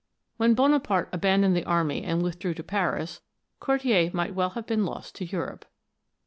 When Bonaparte abandoned the army and withdrew to Paris, Cordier might well have been lost to Europe.